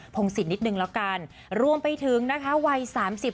งศิษย์นิดนึงแล้วกันรวมไปถึงนะคะวัยสามสิบ